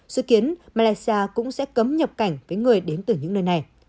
dự kiến malaysia cũng sẽ cấm nhập cảnh với người đến từ những nơi này